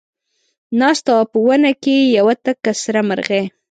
ناسته وه په ونه کې یوه تکه سره مرغۍ